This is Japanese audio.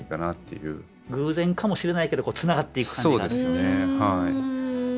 偶然かもしれないけどつながっていく感じがあると。